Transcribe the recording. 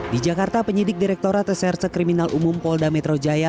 di jakarta penyidik direkturat reserse kriminal umum polda metro jaya